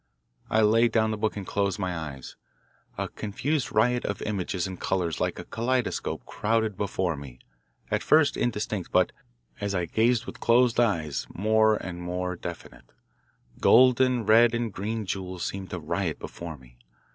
I laid down the book and closed my eyes. A confused riot of images and colours like a kaleidoscope crowded before me, at first indistinct, but, as I gazed with closed yes, more and more definite. Golden and red and green jewels seemed to riot before me.